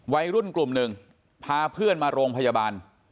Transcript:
วัยรุ่นกลุ่มหนึ่งพาเพื่อนมาโรงพยาบาล